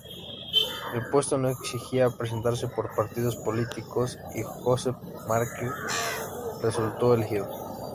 El puesto no exigía presentarse por partidos políticos, y Joseph McCarthy resultó elegido.